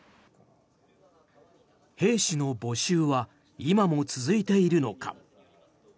兵士の募集は今も続いているのか。